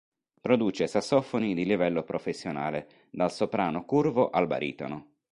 Produce sassofoni di livello professionale, dal soprano curvo al baritono.